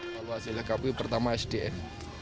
evaluasi dari kpu pertama sdm